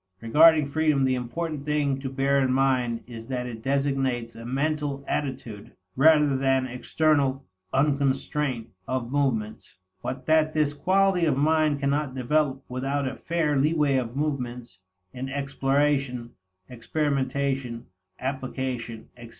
Regarding freedom, the important thing to bear in mind is that it designates a mental attitude rather than external unconstraint of movements, but that this quality of mind cannot develop without a fair leeway of movements in exploration, experimentation, application, etc.